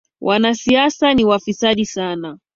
Wanasiasa ni wafisadi sana